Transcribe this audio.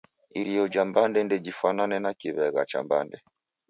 Irio ja mbande ndejifwanane na kiw'egha cha mbande.